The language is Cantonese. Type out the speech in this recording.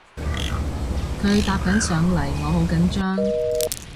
佢搭緊上嚟我好緊張